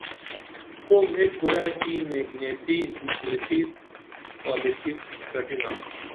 قوم ایک کُرائیں نیک نیتی مُخلِصی پالِسی گٹِنا